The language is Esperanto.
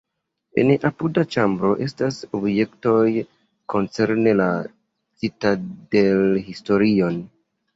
En apuda ĉambro estas objektoj koncerne la citadelhistorion.